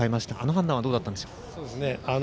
あの判断はどうだったんでしょう。